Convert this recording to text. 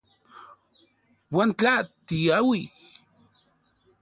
¿Uan tla tiauij...?